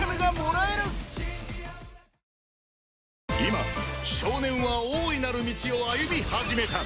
今少年は大いなる道を歩み始めた